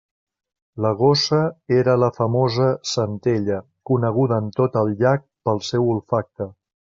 La gossa era la famosa Centella, coneguda en tot el llac pel seu olfacte.